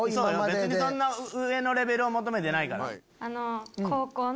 別にそんな上のレベルを求めてないから。